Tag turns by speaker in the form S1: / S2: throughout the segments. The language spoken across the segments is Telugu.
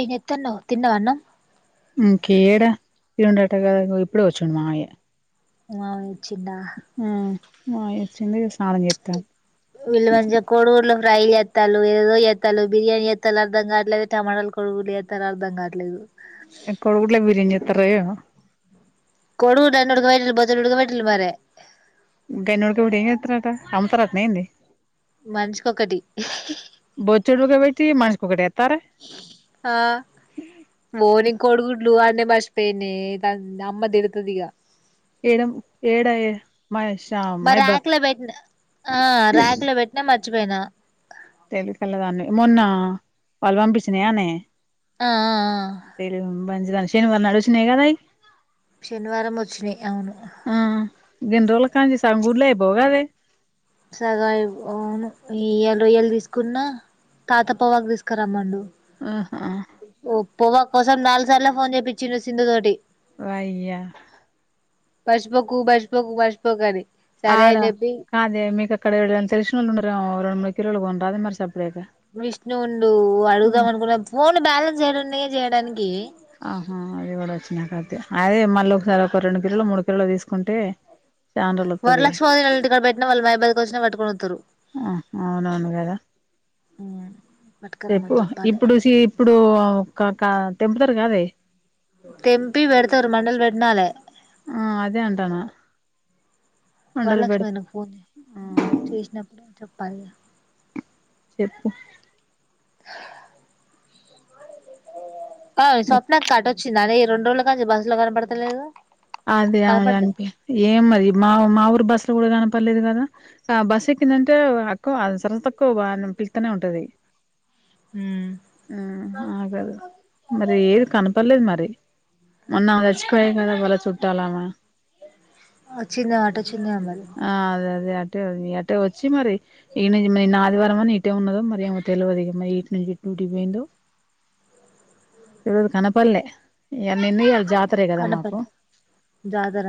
S1: ఏం జేత్తన్నావ్ తిన్నవా అన్నం
S2: ఇంకేడ [unintelligible]
S1: ఆ వచ్చిండా
S2: మావయ్య వచ్చిండు స్నానం జేత్తాం
S1: వీళ్లు ఈ మద్య కోడిగుడ్లు ఫ్రై య ఎత్తలు ఏదో ఎత్తాలు బిర్యానీ ఎత్తాలు అర్థం కావట్లేదు టమాటాలు కొడుగులడ్లు ఎత్తా అర్దం కావట్లేదు
S2: ఏ కోడిగుడ్ల బిర్యానీ జేత్తారో ఏమో
S1: కోడిగుడ్లు అన్ని వుడుక బెట్టి పొద్దున ఉడకబెట్టిర్రు మరి
S2: గన్ని వుడకబెట్టి ఏం జేత్తారంట అమ్ముతారంట్నా ఏంది
S1: మంచికొకటి
S2: బొచ్చెడు ఉడకబెట్టి మనిషికొకటి ఏత్తారా
S1: హా బోని కోడుగుడ్లు అన మర్సిపేందే దానికి అమ్మ దిడతది ఇగ
S2: ఏడం ఏడా ఏ
S1: మ ర్యాకు లో వెట్నా ఆ ర్యాకు లో వెట్టినా మర్చిపోయినా
S2: తెలి కల్ళ దాన్ని మొన్న వాళ్ళ పంపిచ్చినయానే
S1: ఆ ఆ ఆ
S2: బంచి నడేసేను వాడంమరణడు స్నేగా తాయి [unintelligible]
S1: శనివారం వచ్చినాయ్ అవును
S2: దిండ్రోల కాళ్ళ నుంచి సగం గుడ్లు అయిపో గాదే
S1: సగ అవును ఈ వాళ రొయ్యలు దీసుకున్న తాత పొగాకు తీసుకురామ్మండు
S2: ఆహా
S1: పొగాక్ కోసం నాలుగు సార్లా ఫోన్ చేపించ్చిండు సింధు తోటి
S2: వయ్యా
S1: పర్సిపోకు బర్సిపోకు మర్సోపోకని
S2: ఆడ కాదే మీకు అక్కడ ఎవరన్న తెలిసినోళ్ళు ఉన్నారేమో రెండు మూడు కిలోలు కొన్ రాదే మరి సపరేటు
S1: విష్ణూ వుండు అడుగుదాం అనుకున్నా ఫోన్ బ్యాలెన్స్ యాడున్నాయె జేయడానికి
S2: ఆహా అది కూడా వచ్చినకతే అదే మళ్ళీ ఒకసారి ఒక రెండు కిలోలొ మూడు కిలోలో తీసుకుంటే చానా రోజులు వత్తదిగా
S1: వరలక్ష్మి వదినొళ్ళ ఇంటికాడ బెట్టిన వాళ్ళ బైక్ పై వచ్చిన పెట్టుకొని వొత్తురు
S2: అహా అవునవును గదా
S1: ఉ
S2: చెప్పు ఇప్పుడు సీ ఇప్పుడు ఒక కా తెంపుతారు కాదే
S1: తెంపీ వెడతారు మండలు వెట్నాల
S2: ఆ అదే అంటానా మండలు
S1: వరలక్ష్మి
S2: పెడితే
S1: వదినకు ఫోన్ జేయ్
S2: ఆ
S1: చేసినప్పుడు చొప్పాలిగా
S2: చెప్పు
S1: ఆ స్వప్నక్క అటొచ్చిందానే రెండ్రోజుల కాన్నుంచి బస్సు లో కనపడతలేదు
S2: అదే అ ఆమే
S1: కనపడ్డా
S2: చనిపెం ఏమో మరి మా మా ఊరు బస్సులో కూడా కనప పర్లేదు కదా ఆ బస్సు ఎక్కిందంటే అక్కువ సర తక్కువ పిల్తనే ఉంటది
S1: ఉమ్
S2: ఆ ఆగదు మరి ఏది కనపడలేదు మరి మొన్నా ఆమె చచ్చిపోయే కదా వాళ్ళ చుట్టాలమే
S1: ఆ చిందో ఆటోచ్చిందో అన్నారు
S2: టే అటే వచ్చి మరి ఈన్ మరి నిన్న ఆదివారం అని ఇటే ఉన్నదో మరి ఏమొ తెలువదు ఇగ మరి ఇట్ నుం ఇ టికీ పోయిందో ఈ రోజు కనపల్లె ఇగ నిన్న ఇయ్యల జాతరే కదా మాకు
S1: కనపడ్లే జాతర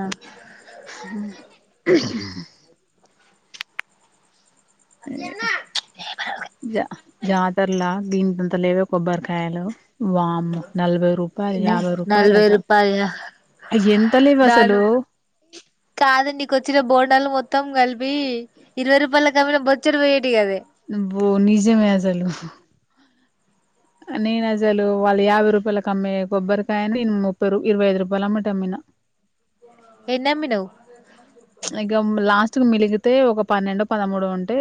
S2: అ జ తర్లా గీంతంత లేవ కొబ్బరికాయలు వామ్మో నలభై రూపాయలు యాభై రూపాయలు
S1: నలభై
S2: అట
S1: రూపాయల దాను కాదండినీకు వచ్చిన బోండాలు మొత్తం కల్ ల్పి ఇరవై రూపాయలకు అమ్మిన బోచ్చడు పోయేటియి కదే
S2: అబ్బో నిజమే అసలు నేను అసలు వాళ్ళు యాభై రూపాయల కమ్మె కొబ్బరికాయను నిన్ ముప్పై ర ఇరవై ఐదు రూపాయలేమ్మాటి అమ్మిన
S1: ఎన్నమ్మినవ్
S2: ఇగం లాస్ స్ట్కు మిలిగితే ఒక పన్నెండు పదమూడో ఉంటే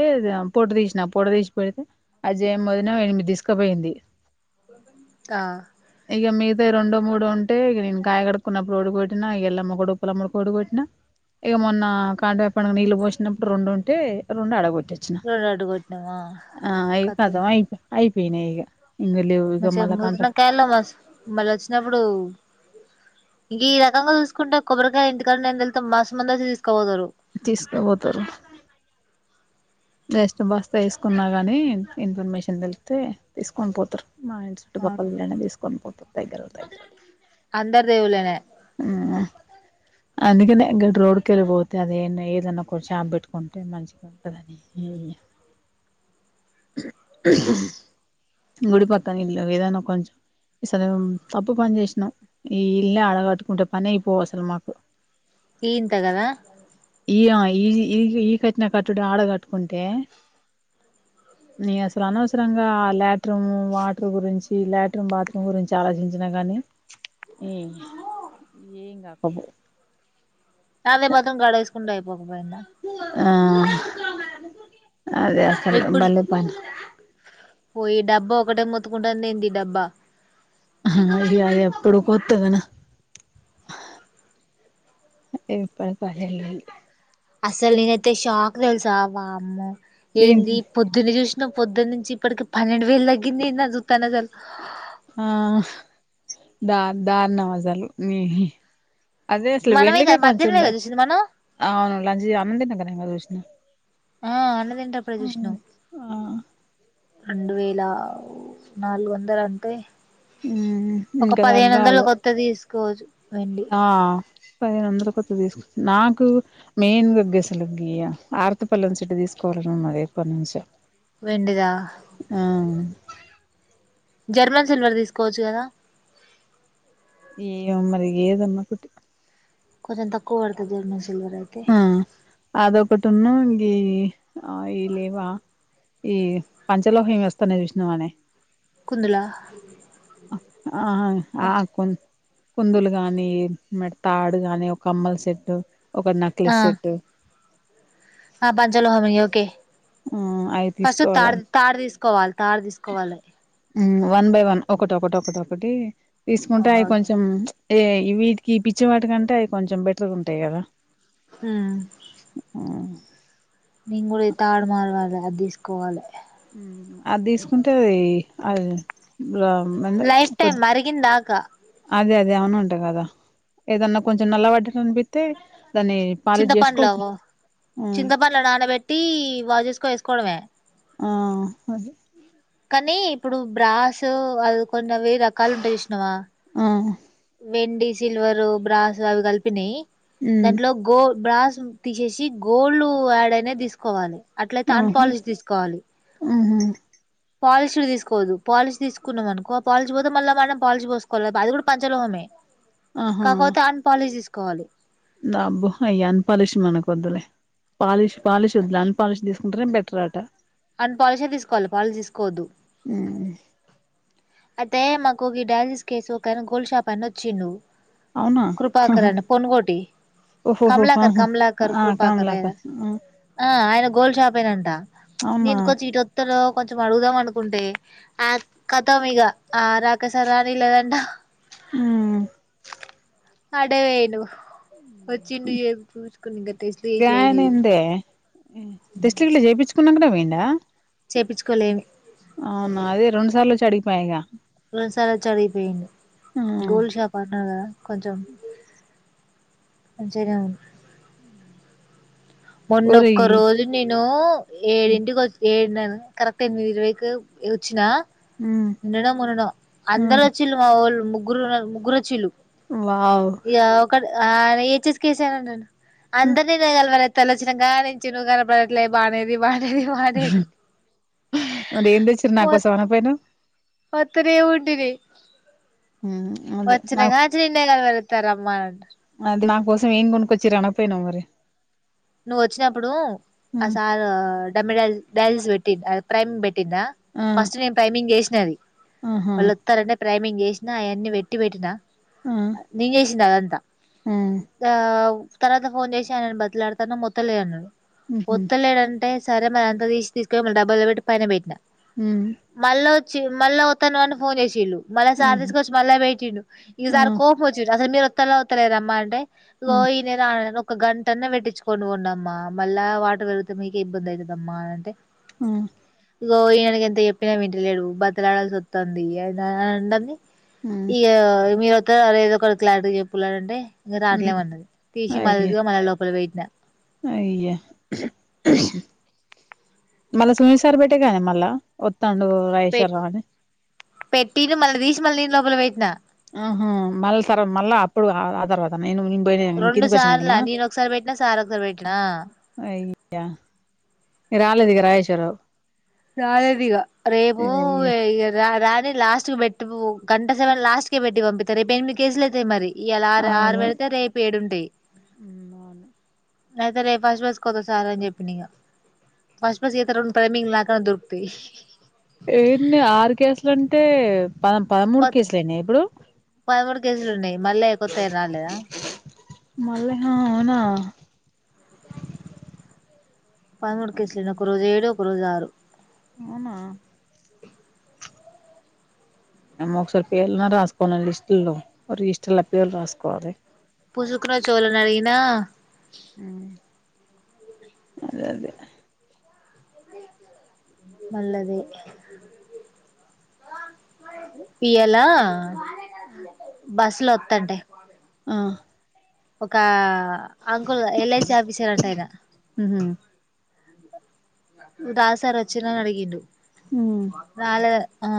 S2: పొట్టు తీసిన పొట్టు తీసి పెడితే అజయమ్మోదిన ఎనిమిది తీసుకపోయింది
S1: ఆ
S2: తె రెండో మూడు ఉంటే ఇగ నిను కాయ కడుకున్నప్పుడు ఒటి గొట్టినా ఎల్లామ్మ కోటి ఉప్పలమ్మాకోటి కొట్టిన ఇగ ఏమొన్న కాండవేయ్య పండుగకు నీళ్ళు పోసినప్పుడు రెండు ఉంటే రెండు అడగొట్ ట్లొచ్చిన
S1: రెండు అడ్డు కొట్టినవా
S2: ఆ ఇగ కతం అయిపో అయిపోయినాయ్ ఇగ
S1: మచెగ్ ముదిరిన కాయలే మ చ్ మళ్ళీ వచ్చినప్పుడు ఈ రకంగా చూసుకుంటే కొబ్బరికాయ ఇంటికడున్నాయి అని తెళ్తే మస్తు మందోచ్చి తీసుకుపోదురు
S2: తీసుకపోతారు బస్ట్ బాస్త వేసుకున్నా గాని ఇన్ఫర్మేషన్ తెలిస్తే తీసుకొని పోతారు మా ఇంటి చుట్టుపక్కల
S1: అవును
S2: ల్లోలైన తీసుకొని పోతారు దగ్గరోల్ దగ్గ
S1: అందర్ దేవుల్లెనయ్
S2: ఆ అందుకనే గట్ రోడ్కి వెళ్ళిపోతే అదిే ఏదన్నా ఒక షాప్ పెట్టుకుంటే మంచిగా ఉంటదని గుడి పక్కన ఇళ్ళు ఏదాన్న కొంచెం ఇసలు తప్పు పని చేసినాం ఈ ఇల్లే అడగట్టుకుంటే పని అయిపోవ్ అసలు మాకు
S1: ఇ ఇంత కదా
S2: ఈ ఈ ఈ ఈ కట్న కట్టుడే ఆడ కట్టుకుంటే ని అసలు అనవసరంగా ఆ ల్యాట్రమ్ వాటర్ గురించి ఈ ల్యాట్రిన్ బాత్రూమ్ గురించి ఆలోచించిన కాగానీ ఈ ఎం కాకపోవ్
S1: చాలే బత్రం గాడేసుకుంటే అయిపోకపోయింద
S2: ఆ అదే అసలు
S1: ఇప్పుడు
S2: బలేపన్
S1: పోయి డబ్బా ఒకటే మొత్తుకుంటాందెంది డబ్బా
S2: అవి అది ఎప్పుడు కొత్తదనా ఇప్పుడికి అదే లొల్లి
S1: అసలు నేనైతే షాక్ తెలుసా వామ్మో
S2: ఏంటి
S1: ఏంది పొద్దున్న చూస్ పొద్దు నుంచి ఇప్పటికి పన్నెండు వేలు తగ్గిందేందీ అని సుత్తన అసలు
S2: ఆ ద దార్నం అసలు ని అదే అసలు
S1: మనమే
S2: వెళ్ికే
S1: కదా మధ్యాహ్నమే
S2: కొంచెందా
S1: కదా చూసింది మనం
S2: అవును లంచ్ అనం తన్న క చూసిన
S1: ఆ అన్నతినేటప్పుడే చూసినావ్
S2: ఆ
S1: రెండు వేల నాలుగు వందలు అంటే
S2: హుమ్మ్
S1: ఒక
S2: ఇంకా
S1: పదిహేను వందలు
S2: తగ్గాలి
S1: కొత్తది తీసుకోవచ్చు వెండి
S2: ఆ పదిహేను వందల కొతె తీసుకో నాకు మెయిన్గా గసలు గియ ఆరతిపల్లెం సెట్టు తీసుకోవాలని ఉన్నది ఎప్పటి నుంచో
S1: వెండిదా
S2: ఆ
S1: జర్మన్ సిల్వర్ తీసుకోవచ్చు కదా
S2: ఏమో మరిఇగ ఏదన్నా ఒకటి
S1: కొంచెం తక్కువ పడుతది [unintelligible] జ మ
S2: ఆ అవొకటిను గీ అయి లేవా ఈ పంచలోహం వస్తనయి చూసినావనే
S1: కుందులా
S2: ఆహ ఆ కుందులు కుందులు గాని మరి తాడు గాని ఒక కమ్మల సెట్టు ఒక [unintelligible]
S1: ఆ
S2: క్లిస్ సెట్టు
S1: ఆ పంచలోహమివి ఓకే
S2: ఆ అవి
S1: ఫస్ట్
S2: తీసుకోవాలా
S1: తాడు తాడు తీసుకోవాలి తాడు తీసుకోవాలి
S2: వన్ బై వన్ ఒకటి ఒకటి ఒకటొకటి తీసుకుంటే అవి
S1: ఓకే
S2: కొంచెం ఏ వీటికి పిచ్చి వాటికంటే అవి కొంచెం బెటర్గ ఉంటయి కదా
S1: ఆ
S2: ఆ
S1: నేను కూడా ఈ తాడు మారవాలి అది తీసుకోవాలి
S2: ఉ అది తీసుకుంటే అది అది [unintelligible] మ
S1: లైఫ్ టైం
S2: కొద్ది
S1: మరిగిందాకా
S2: అదే అదే ఏమన్నా ఉంటదా అదా ఏదన్నా కొంచెం నల్ల పడ్డట్టు అనిపితే
S1: చింతపంలు చింతపంలో నానబెట్టి వాష్ జేసుకోని వేసుకోవడమే
S2: ఆ అదే
S1: కానీ ఇప్పుడు బ్రాస్ అది కొన్ని అవి రకాలు ఉంటయి చూసినవా
S2: ఆ
S1: వెండి సిల్వర్ బ్రాస్ అవి కలిపినయి
S2: ఉమ్
S1: దాంట్లో గో బ్రాస్ తీసేసి గోల్డ్ యాడ్ అయినయి తీసుకోవాలి అట్లయితే
S2: ఆహా
S1: అన్పాలిష్ తీసుకోవాలి
S2: ఆహా
S1: పాలిషీడ్ తీసుకోవదు పాలిషీ తీసుకున్నాం అనుకో ఆ పాలిీష్ పోతే మళ్ళ మనం పాలిష్ పోసుకోవాలి అది కూడా పంచలోహమే
S2: ఆహా
S1: కాకపోతే అన్పాలిష్ తీసుకోవాలి
S2: అబ్బో అయ్ అన్పాలిష్ మన కొద్దులే పాలిష్ పాలిష్ వద్దులే అన్ పాలిష్ తీసుకుంటేనే బెటర్ అట
S1: అన్ పాలిషే తీసుకోవాలి పాలిష్ తీసుకోవద్దు
S2: ఉమ్
S1: అయితే మాకు డైజెస్ కేసు ఒకఆయన గోల్డ్ షాప్ ఆయన వచ్చిండు
S2: అవునా
S1: కృపాకర్ అని పన్గోటి
S2: ఓహోహో
S1: కమలాకర్
S2: ఆహా
S1: కమలాకర్
S2: ఆ
S1: కుృపాకర్ే
S2: కమలాక
S1: ఆ ఆయన గోల్డ్ షాపేనంట
S2: అవునా
S1: నేను కొంచం ఇటొత్తడో కొంచెం అడుగుదాం అనుకుంటే మగా ఆ రా అక సారని ఇ లేదంట
S2: ఆ
S1: అటే పోయిండు వచ్చిండు చూచుకుని ఇంకా [unintelligible] టస్లుట్ ఏ
S2: గాయనిందే
S1: చేయిించుకోని
S2: టెస్ట్లు గిట్లా చేయించుకున్నాకనే పోయిన్డా
S1: చేపించుకోలేమి
S2: అవునా అదే రెండు సార్లు వచ్చి అడిగి పాయి ఇక
S1: రెండు సార్లు వచ్చి అడిగిపోయిండు
S2: ఆ
S1: గోల్ షాప్ అన్నడు కదా కొంచం మంచిగనే ఉండు
S2: ఉ
S1: మొన్నొక్క రోజు నేను ఏడింటికి వస్తే ఏ ఉన్నాను కరెక్ట్ గ ఎనిమిది ఇరవైకి వచ్చిన
S2: మ్
S1: నిన్ననో మొన్ననో అందరు
S2: మ్
S1: వచ్చిలు మా వోళ్ళు ముగ్గురునారు ముగ్గురు వచ్చిల్లు
S2: వావ్
S1: ఆ ఆయన ఏచేసికిసనన్నాడు అందరినీ నేగలవర్ తనొచ్చినగానుంచి నువ్వు కనపడట్లే బామ్మెది బామ్ హు హూ మరిది
S2: మరి ఏం తెచ్చిరు నా
S1: ఓచ్
S2: కోసం అనకపోయినవ్
S1: వత్తనే ఊంటిది
S2: మ్ అదే
S1: వచ్చిన
S2: నా
S1: గాంచి ఇడ్నె కదా తరమ్మ అంట
S2: అది నా కోసం ఏం కొనుకొచ్చిరూ అనపోయినావ మరి
S1: నువ్వు వచ్చినప్పుడు ఆ
S2: మ్
S1: సార్ డమిడ డైల్స్ పెట్టి ప్రైమ్ పెట్టి
S2: ఆ ఆహా
S1: నేను చేసిన అవన్నీ పెట్టి పెట్టినా
S2: ఆ
S1: నేను చేసిన
S2: ఆ
S1: ఆ తర్వాత ఫోన్ చేసి ఆయనను బతిమిలాడుతున మొత్తలే అన్నడు
S2: మ్హు
S1: ఒత్తలేడంటే సరే మరి అంత తీసి తీసుకొపోయి మళ్ళ డబ్బలో పెట్టి పైన పెట్టినా
S2: మ్
S1: మళ్ళ వచ్చి మళ్ళ వతనం అని ఫోన్ చేసిలు మళ్ళీ సారి
S2: ఆహా
S1: తీసుకొచ్చి మళ్ళ పెట్టిండు ఈ
S2: ఆ
S1: సారి కోపం వచ్చిండ్రు అసలు మీరు వత్తల వత్తతలేదమ్మా అంటే
S2: ఆ
S1: గో ఇదే రాన్ ఒక గంటన్న పెట్టించు కొను కొండమ్మా మళ్ళా వాటర్ పెరిగితే మీక ఇబ్బంది అయితదమ్మ అంటే
S2: ఉమ్
S1: ఇగో ఈయనకి ఎంత చెప్పినా వింటలేడు బతలాడాల్సి వస్తంది అయినా అంటంది
S2: మ్
S1: ఇక మీరోస్తారో లేదో ఒకరు క్లారిటీ చెప్పులడంటే ఇంగ
S2: మ్
S1: రాట్లేమ్ అంటాది తీసి మళ్ళగా మళ్ళ లోపల పెట్టిన
S2: అయ్యో ఉహ్మ్ హు మల్ల స్వీట్ సరి పెట్టినవే మల్ల ఒత్
S1: పెట్ పెట్టిండ్రు మళ్ళ దీసి మళ్ళీ నేన్ లోపల పెట్టినా
S2: ఆహా మళ్ళ తర్వా మళ్ళా అప్పుడు ఆ తర్వాత నేను నేను పోయిన
S1: రెండు
S2: కిందికి
S1: సార్ల
S2: వచ్చినాకనా
S1: నేన్ ఒకసారి పెట్నా సార్ ఒకసారి పెట్నా
S2: అయ్యా ఇగ రాలేదు ఇక రాజేశ్వరవు
S1: రాలేదిగ రేపు
S2: అయ్య!
S1: ఇగ రారని లాస్ట్ పెట్ ప్పు గంట సవన్ లాస్ట్కే పెట్టి పంపిత రేపు ఎనిమిది కేజీలు అయితయి మరీ ఇయాలా ఆరు ఆరు
S2: అవును
S1: పెడితే రేపు ఏడుంటాయి
S2: హ్మ్. అవును
S1: అయితే రేపు ఫస్ట్ బస్ కి వస్తా సార్ అని చెప్పిన ఇగ ఫస్ట్ బస్ కి అయితే రెండు టైమింగ్ లాక్ తాన్ దొరుకుతాయి
S2: పమ్ పమూడు కేస్లయినయ ఇప్పుడు
S1: పదమూడు కేజీలు ఉన్నాయి మళ్ళ కొత్తవి రాలేదా
S2: మళ్ళ హా అవునా
S1: పదమూడు కేసులుని ఒక రోజు ఏడు ఒక రోజు ఆరు
S2: అవునా అమ్మ ఒకసారి పేర్లున రాసుకోలండి లిస్టులో రిజిస్టర్లో పేర్లు రాసుకోవాలి
S1: పుసుకున చోల నడిగిన
S2: ఉమ్ అదే అదే
S1: మల్ల అదే ఇయ్యాల
S2: ఉమ్
S1: పిలోతాంటాయ్
S2: ఆ
S1: ఒకా అంకుల్ ఎల్ఐసి ఆఫీసర్ అంట ఆయన
S2: ఉహు
S1: రాజ్ సార్ వచ్చిండ్ర అని అడిగిండ్రు
S2: ఉ
S1: రాలే ఆ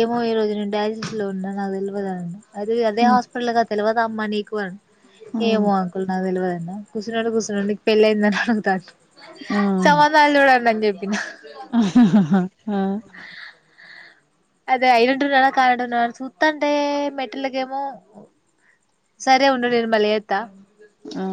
S1: ఏమో ఈ రోజు నేను డైలసిస్ లో ఉన్నా నాకు తెలివదనండ్ అది అదే
S2: ఉ
S1: హాస్పిటల్గా తెలవద అమ్మా నీకు అన ఏమో అంకుల్ నాకు తెలివదు కూసిండాంటే కుసునాడు నీకు పెళ్ళి అయిందా అని అడుగుతునాడు సంబందాలు చూడండి అని చెప్
S2: ఉహ్మ్ హూ హు ఆ
S1: అదే అయినటునాన కానటునన్న సూతాంటే మెట్టలకేమో సరే ఉండు నేను మళ్ళ చేస్తా
S2: అ